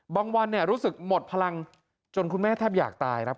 วันรู้สึกหมดพลังจนคุณแม่แทบอยากตายครับ